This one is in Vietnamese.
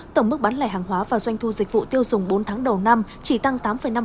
tổng mức bán lẻ hàng hóa và doanh thu dịch vụ tiêu dùng bốn tháng đầu năm chỉ tăng tám năm